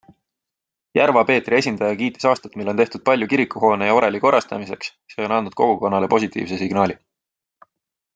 Järva-Peetri esindaja kiitis aastat, mil on tehtud palju kirikuhoone ja oreli korrastamiseks, see on andnud kogukonnale positiivse signaali.